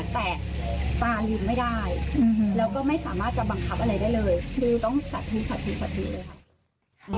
แต่ตาลืมไม่ได้แล้วก็ไม่สามารถจะบังคับอะไรได้เลยคือต้องสัตว์มีสัตว์มีสติเลยค่ะ